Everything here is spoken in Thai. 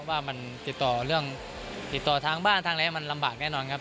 ว่ามันติดต่อเรื่องติดต่อทางบ้านทางอะไรมันลำบากแน่นอนครับ